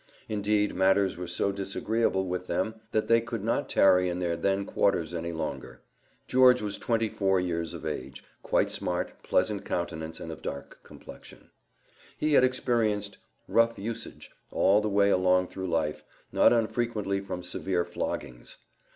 Indeed matters were so disagreeable with them that they could not tarry in their then quarters any longer. George was twenty four years of age, quite smart, pleasant countenance, and of dark complexion. He had experienced "rough usage" all the way along through life, not unfrequently from severe floggings.